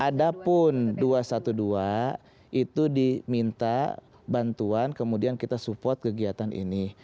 ada pun dua ratus dua belas itu diminta bantuan kemudian kita support kegiatan ini